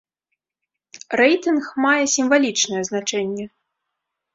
Рэйтынг мае сімвалічнае значэнне.